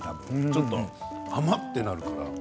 ちょっと、甘いとなるから。